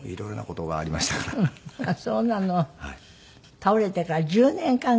倒れてから１０年間ぐらい？